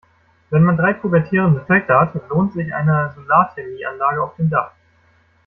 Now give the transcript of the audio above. Wenn man drei pubertierende Töchter hat, lohnt sich eine Solarthermie-Anlage auf dem Dach.